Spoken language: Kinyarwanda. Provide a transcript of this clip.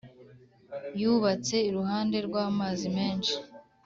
Yubatse iruhande rw ‘amazi menshi.